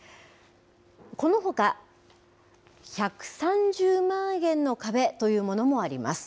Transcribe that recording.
このほか、１３０万円の壁というものもあります。